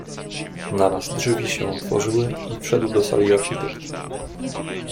"Naraz drzwi się otworzyły i wszedł do sali architekt."